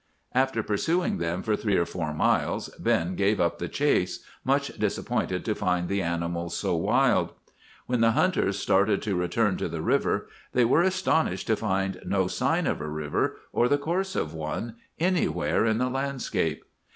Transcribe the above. "After pursuing them for three or four miles, Ben gave up the chase, much disappointed to find the animals so wild. "When the hunters started to return to the river, they were astonished to find no sign of a river, or the course of one, anywhere in the landscape.